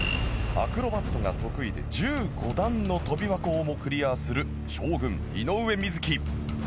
アクロバットが得意で１５段の跳び箱をもクリアする将軍井上瑞稀。